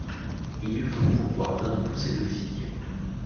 Il eût voulu pourvoir d’un coup ses deux filles.